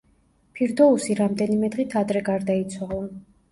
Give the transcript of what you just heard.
ფირდოუსი რამდენიმე დღით ადრე გარდაიცვალა.